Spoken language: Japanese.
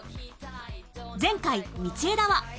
前回道枝は